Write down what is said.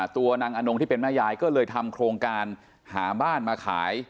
ตัวนางอนงที่เป็นแม่ยายก็เลยทำโครงการหาบ้านมาขาย